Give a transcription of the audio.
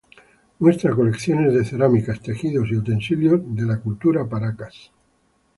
Muestra colecciones de cerámicas, tejidos y utensilios de la Cultura Paracas.